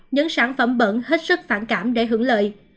những sản phẩm bẩn hết sức phản cảm để hưởng lợi